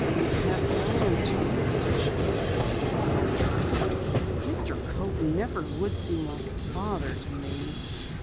"Perhaps I am too suspicious, but I don't trust them. Mr. Coaten never would seem like a father to me."